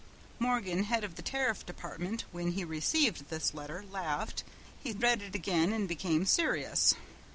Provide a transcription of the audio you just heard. Morgan, head of the Tariff Department, when he received this letter, laughed. He read it again and became serious.